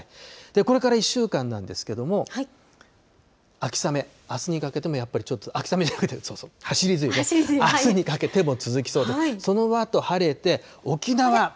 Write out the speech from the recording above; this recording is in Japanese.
これから１週間なんですけれども、秋雨、あすにかけてもやっぱりちょっと、秋雨じゃなくて、はしり梅雨ね、あすにかけても続きそうで、そのあと晴れて、沖縄。